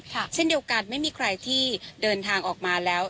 เช่นเดียวกันไม่มีใครที่เดินทางออกมาแล้ว